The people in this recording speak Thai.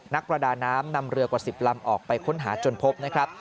นักประดาน้ำนำเรือกว่า๑๐ลำออกไปค้นหาจนพบนะครับ